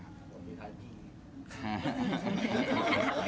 ผมอยู่ข้างที่นี่